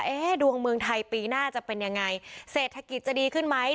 ดวงเมืองไทยปีหน้าจะเป็นยังไงเศรษฐกิจจะดีขึ้นไหม